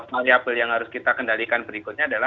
variable yang harus kita kendalikan berikutnya adalah